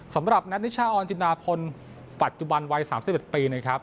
สำหรับนัทนิชาออนจินดาพลปัจจุบันวัย๓๑ปีนะครับ